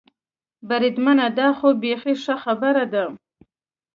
بریدمنه، دا خو بېخي ښه خبره ده.